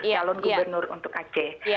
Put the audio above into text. calon gubernur untuk aceh